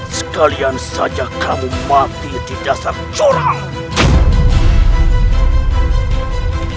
sekalian saja kamu mati di dasar corak